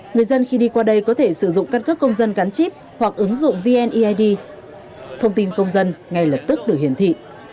người dân khi đi qua đây có thể sử dụng căn cước công dân gắn chip hoặc ứng dụng vneid thông tin công dân ngay lập tức được hiển thị